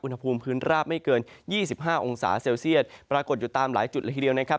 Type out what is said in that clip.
อุณหภูมิพื้นราบไม่เกิน๒๕องศาเซลเซียตปรากฏอยู่ตามหลายจุดละทีเดียวนะครับ